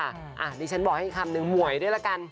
อันนี้ฉันบอกให้อีกคำนึงหมวยด้วยละกัน